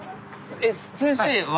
えっ先生は。